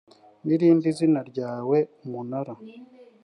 rinda izina ryawe umunara